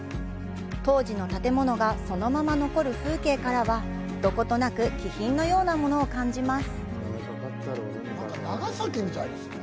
当時の建物がそのまま残る風景からは、どことなく気品のようなものを感じます。